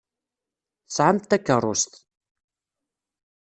Tesɛamt takeṛṛust.